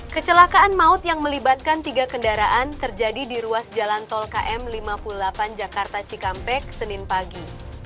kecelakaan maut yang melibatkan tiga kendaraan terjadi di ruas jalan tol km lima puluh delapan jakarta cikampek senin pagi